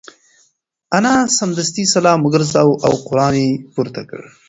انا سمدستي سلام وگرځاوه او قران یې پورته کړ.